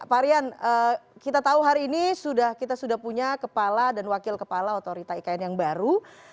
pak rian kita tahu hari ini kita sudah punya kepala dan wakil kepala otorita ikn yang baru